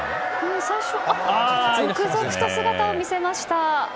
続々と姿を見せました。